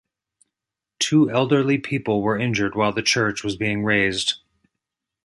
Two elderly people were injured while the church was being razed.